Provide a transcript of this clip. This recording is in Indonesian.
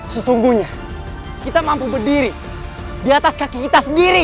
sesungguhnya kita mampu berdiri di atas kaki kita sendiri